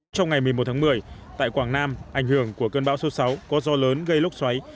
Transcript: trong ngày một mươi một tháng một mươi tại quảng nam ảnh hưởng của cơn bão số sáu có do lớn gây lốc xoáy